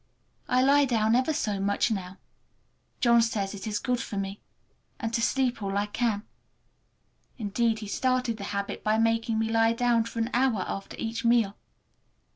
I lie down ever so much now. John says it is good for me, and to sleep all I can. Indeed, he started the habit by making me lie down for an hour after each meal.